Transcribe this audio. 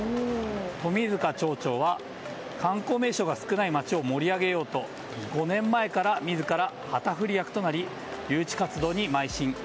冨塚町長は、観光名所が少ない町を盛り上げようと５年前から自ら旗振り役となり誘致活動にまい進。